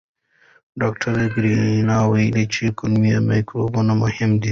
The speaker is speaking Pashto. ډاکټر کرایان وویل چې کولمو مایکروبیوم مهم دی.